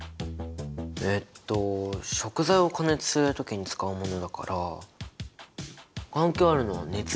えっと食材を加熱する時に使うものだから関係あるのは熱？